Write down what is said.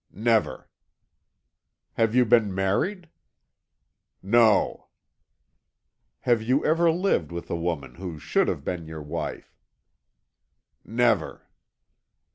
"Never." "Have you been married?" "No." "Have you ever lived with a woman who should have been your wife?" "Never."